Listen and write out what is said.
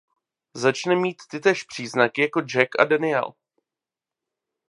Začne mít tytéž příznaky jako Jack a Daniel.